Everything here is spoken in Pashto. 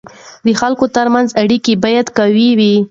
د خلکو ترمنځ اړیکه باید قوي وي.